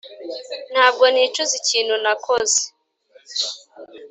ntabwo nicuza ikintu nakoze.